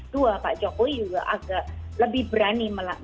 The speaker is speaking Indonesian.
dua pak jokowi juga agak lebih berani